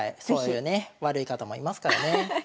そういうね悪い方もいますからね。